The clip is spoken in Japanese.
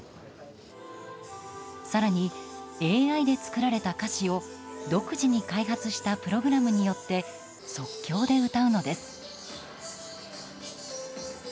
更に、ＡＩで作られた歌詞を独自に開発したプログラムによって即興で歌うのです。